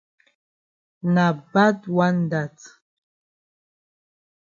Na bad wan dat.